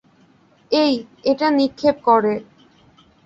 এই, এটা নিক্ষেপ করে।